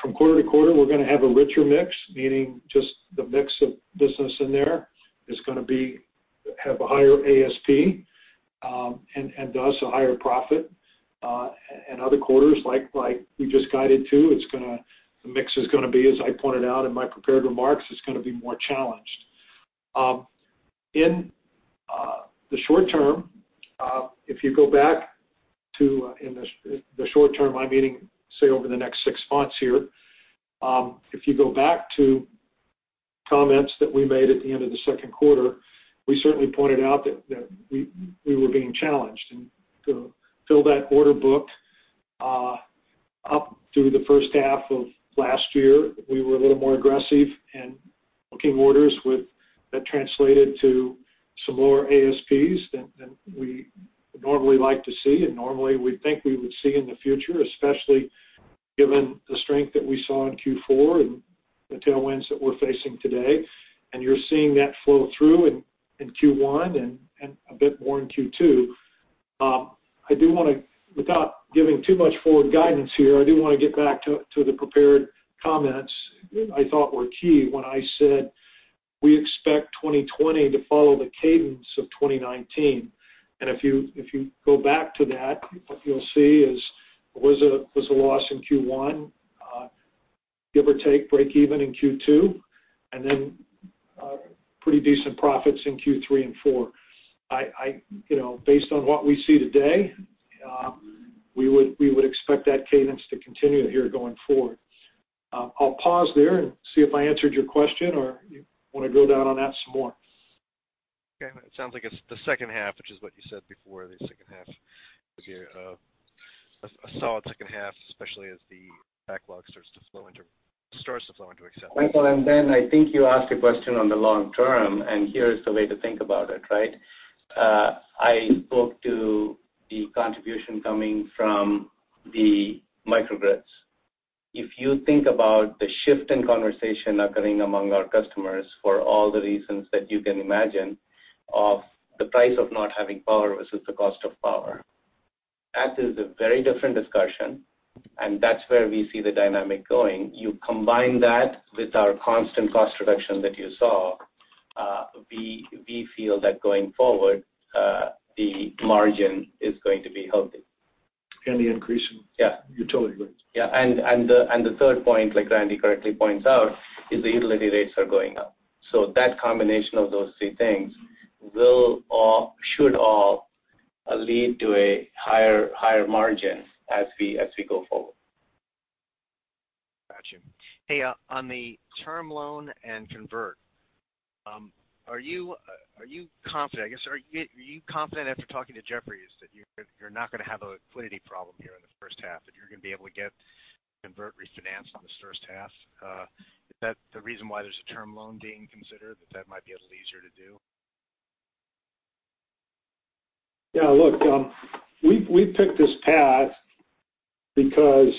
From quarter-to-quarter, we're going to have a richer mix, meaning just the mix of business in there is going to have a higher ASP, and thus a higher profit. Other quarters like we just guided to, the mix is going to be, as I pointed out in my prepared remarks, is going to be more challenged. In the short term, I mean, say, over the next six months here, if you go back to comments that we made at the end of the second quarter, we certainly pointed out that we were being challenged. To fill that order book, up through the first half of last year, we were a little more aggressive in booking orders that translated to some lower ASPs than we normally like to see and normally we think we would see in the future, especially given the strength that we saw in Q4 and the tailwinds that we're facing today. You're seeing that flow through in Q1 and a bit more in Q2. Without giving too much forward guidance here, I do want to get back to the prepared comments I thought were key when I said we expect 2020 to follow the cadence of 2019. If you go back to that, what you'll see is it was a loss in Q1, give or take, break even in Q2, and then pretty decent profits in Q3, and Q4. Based on what we see today, we would expect that cadence to continue here going forward. I'll pause there and see if I answered your question, or you want to drill down on that some more. Okay. It sounds like it's the second half, which is what you said before, the second half of the year. A solid second half, especially as the backlog starts to flow into acceptance. Michael, I think you asked a question on the long term. Here is the way to think about it. I spoke to the contribution coming from the microgrids. If you think about the shift in conversation occurring among our customers, for all the reasons that you can imagine, of the price of not having power versus the cost of power. That is a very different discussion. That's where we see the dynamic going. You combine that with our constant cost reduction that you saw, we feel that going forward, the margin is going to be healthy. The increase in utility rate. The third point, like Randy correctly points out, is the utility rates are going up. That combination of those three things should all lead to a higher margin as we go forward. Got you. On the term loan and convert, are you confident after talking to Jefferies that you're not going to have a liquidity problem here in the first half, that you're going to be able to get convert refinance on this first half? Is that the reason why there's a term loan being considered, that that might be a little easier to do? Yeah, look, we picked this path because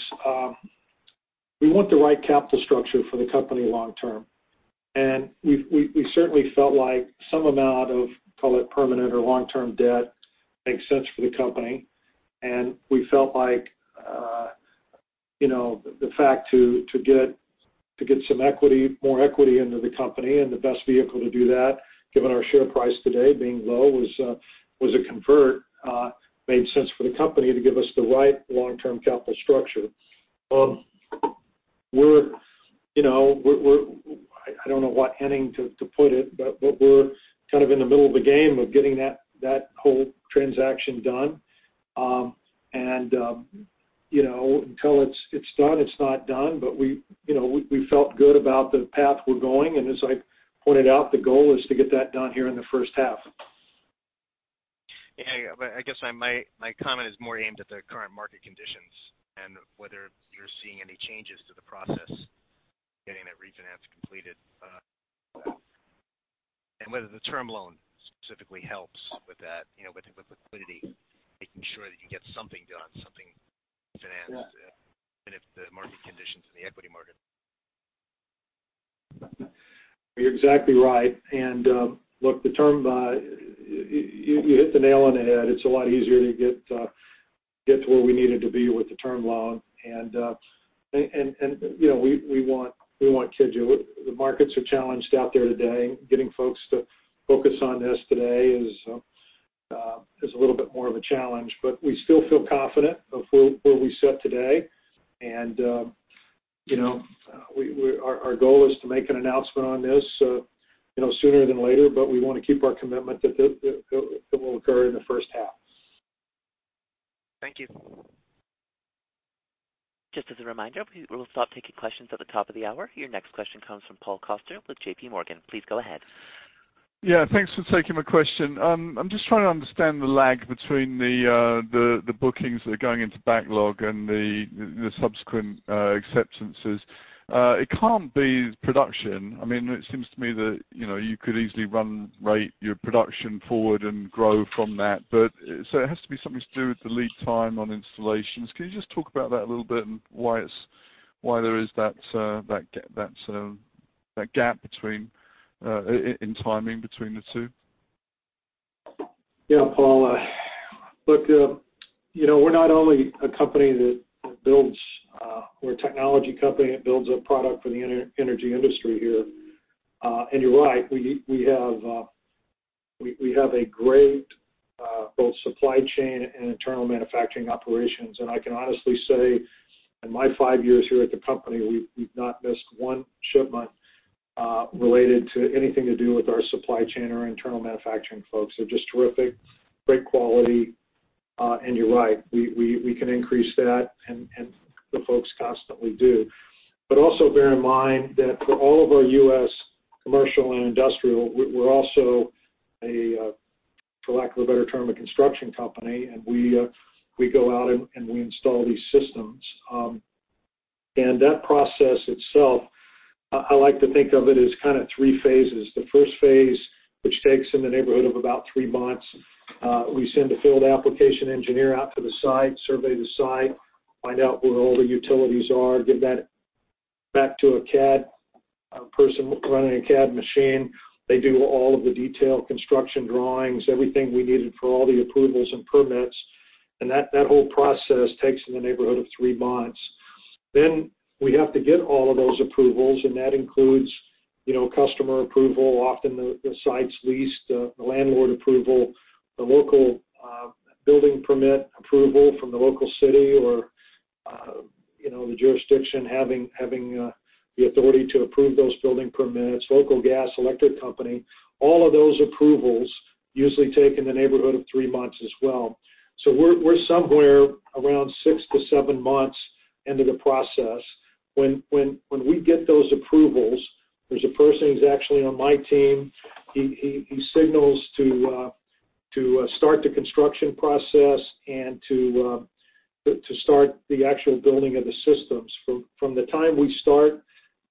we want the right capital structure for the company long term. We certainly felt like some amount of, call it permanent or long-term debt, makes sense for the company. We felt like the fact to get some more equity into the company and the best vehicle to do that, given our share price today being low, was a convert, made sense for the company to give us the right long-term capital structure. I don't know what heading to put it, but we're kind of in the middle of the game of getting that whole transaction done. Until it's done, it's not done. We felt good about the path we're going, and as I pointed out, the goal is to get that done here in the first half. Yeah. I guess my comment is more aimed at the current market conditions and whether you're seeing any changes to the process getting that refinance completed. Whether the term loan specifically helps with that, with the liquidity, making sure that you get something done, something financed even if the market conditions in the equity market. You're exactly right. Look, you hit the nail on the head. It's a lot easier to get to where we needed to be with the term loan. We want to do it. The markets are challenged out there today, getting folks to focus on this today is a little bit more of a challenge, but we still feel confident of where we sit today. Our goal is to make an announcement on this sooner than later, but we want to keep our commitment that it will occur in the first half. Thank you. Just as a reminder, we will stop taking questions at the top of the hour. Your next question comes from Paul Coster with JPMorgan. Please go ahead. Yeah, thanks for taking my question. I'm just trying to understand the lag between the bookings that are going into backlog and the subsequent acceptances. It can't be production. It seems to me that you could easily run rate your production forward and grow from that, but so it has to be something to do with the lead time on installations. Can you just talk about that a little bit and why there is that gap in timing between the two? Yeah. Paul, look, we're a technology company that builds a product for the energy industry here. You're right, we have a great both supply chain and internal manufacturing operations. I can honestly say in my five years here at the company, we've not missed one shipment related to anything to do with our supply chain or internal manufacturing folks. They're just terrific, great quality. You're right, we can increase that, and the folks constantly do. Also bear in mind that for all of our U.S. commercial and industrial, we're also a, for lack of a better term, a construction company, and we go out and we install these systems. That process itself, I like to think of it as kind of three phases. The first phase, which takes in the neighborhood of about three months, we send a field application engineer out to the site, survey the site, find out where all the utilities are, give that back to a CAD person running a CAD machine. They do all of the detail, construction drawings, everything we needed for all the approvals and permits, and that whole process takes in the neighborhood of three months. We have to get all of those approvals, and that includes customer approval. Often, the site's leased, the landlord approval, the local building permit approval from the local city or the jurisdiction having the authority to approve those building permits, local gas, electric company. All of those approvals usually take in the neighborhood of three months as well. We're somewhere around six to seven months into the process. When we get those approvals, there's a person who's actually on my team. He signals to start the construction process and to start the actual building of the systems. From the time we start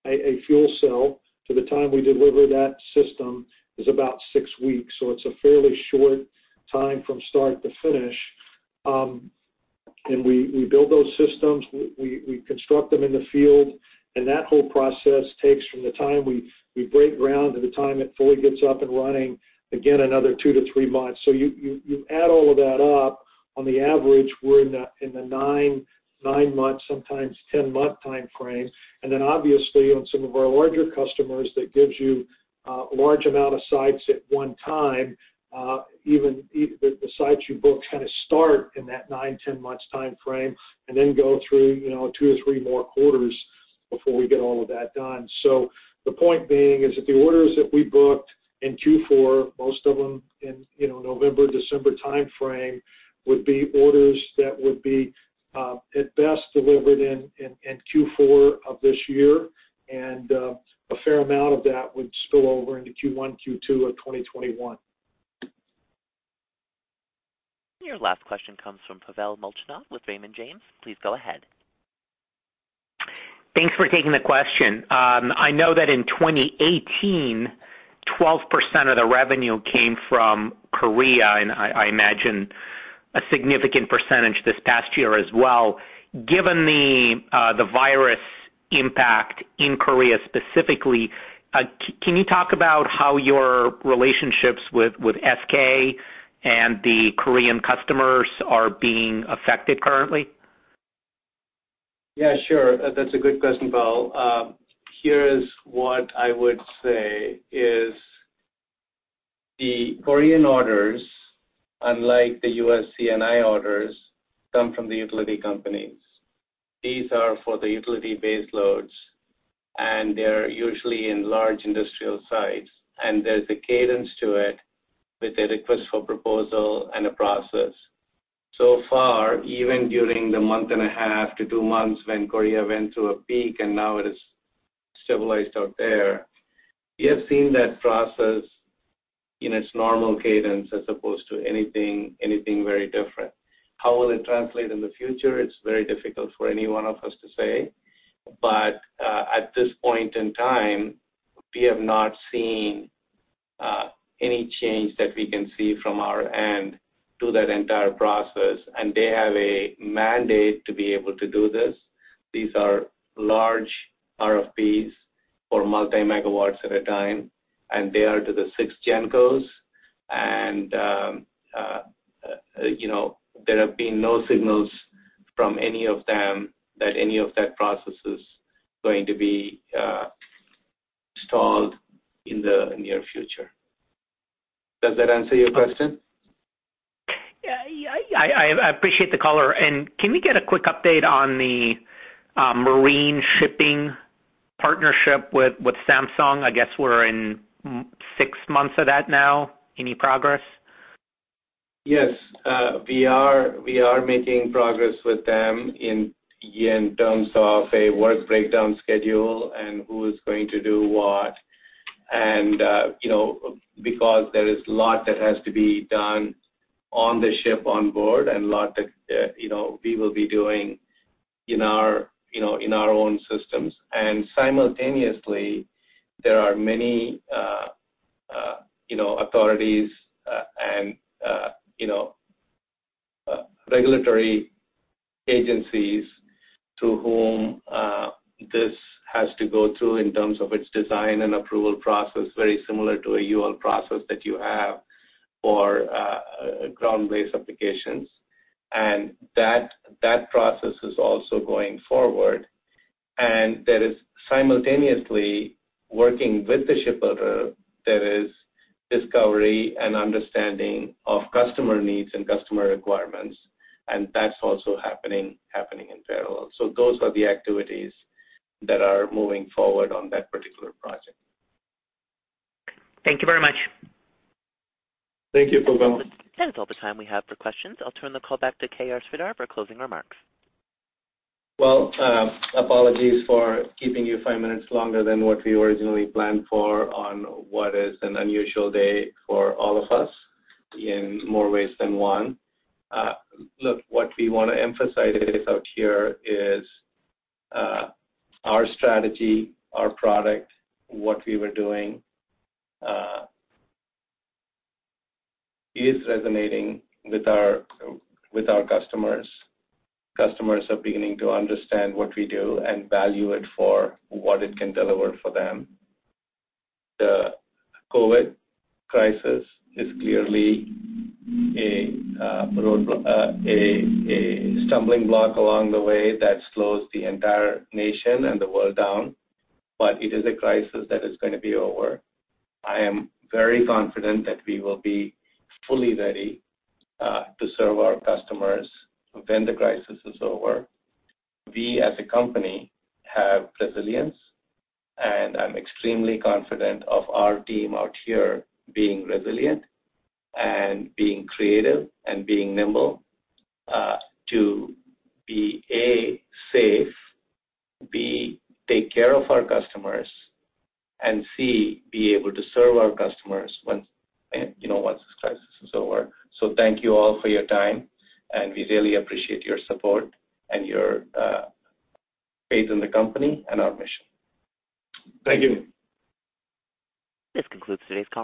a fuel cell to the time we deliver that system is about six weeks, so it's a fairly short time from start to finish. We build those systems, we construct them in the field, and that whole process takes from the time we break ground to the time it fully gets up and running, again, another two to three months. You add all of that up, on the average, we're in the nine-month, sometimes 10-month timeframe. Obviously on some of our larger customers, that gives you a large amount of sites at one time. Even the sites you book kind of start in that 9-10 months timeframe and then go through two or three more quarters before we get all of that done. The point being is that the orders that we booked in Q4, most of them in November, December timeframe, would be orders that would be, at best, delivered in Q4 of this year. A fair amount of that would spill over into Q1, Q2 of 2021. Your last question comes from Pavel Molchanov with Raymond James. Please go ahead. Thanks for taking the question. I know that in 2018, 12% of the revenue came from Korea, and I imagine a significant percentage this past year as well. Given the virus impact in Korea specifically, can you talk about how your relationships with SK and the Korean customers are being affected currently? Yeah, sure. That's a good question, Pavel. Here is what I would say is the Korean orders, unlike the U.S. C&I orders, come from the utility companies. These are for the utility baseloads, and they're usually in large industrial sites, and there's a cadence to it with a request for proposal and a process. So far, even during the month and a half to two months when Korea went through a peak and now it is civilized out there, we have seen that process in its normal cadence as opposed to anything very different. How will it translate in the future? It's very difficult for any one of us to say. At this point in time, we have not seen any change that we can see from our end to that entire process, and they have a mandate to be able to do this. These are large RFPs for multi-megawatts at a time, and they are to the six GenCos. There have been no signals from any of them that any of that process is going to be stalled in the near future. Does that answer your question? Yeah. I appreciate the color. Can we get a quick update on the marine shipping partnership with Samsung? I guess we're in six months of that now. Any progress? Yes. We are making progress with them in terms of a work breakdown schedule and who is going to do what. Because there is lot that has to be done on the ship on board and lot that we will be doing in our own systems. Simultaneously, there are many authorities and regulatory agencies to whom this has to go through in terms of its design and approval process, very similar to a UL process that you have for ground-based applications. That process is also going forward. There is simultaneously working with the shipbuilder, there is discovery and understanding of customer needs and customer requirements, and that's also happening in parallel. Those are the activities that are moving forward on that particular project. Thank you very much. Thank you, Pavel. That is all the time we have for questions. I'll turn the call back to K.R. Sridhar for closing remarks. Well, apologies for keeping you five minutes longer than what we originally planned for on what is an unusual day for all of us, in more ways than one. Look, what we want to emphasize out here is, our strategy, our product, what we were doing, is resonating with our customers. Customers are beginning to understand what we do and value it for what it can deliver for them. The COVID crisis is clearly a stumbling block along the way that slows the entire nation and the world down, but it is a crisis that is going to be over. I am very confident that we will be fully ready to serve our customers when the crisis is over. We, as a company, have resilience, and I'm extremely confident of our team out here being resilient and being creative and being nimble, to be, A, safe, B, take care of our customers, and C, be able to serve our customers once this crisis is over. Thank you all for your time, and we really appreciate your support and your faith in the company and our mission. Thank you. This concludes today's call.